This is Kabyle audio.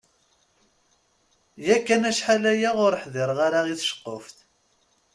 Yakan acḥal-aya ur ḥdireɣ i tceqquft.